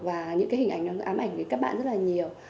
và những hình ảnh ám ảnh với các bạn rất nhiều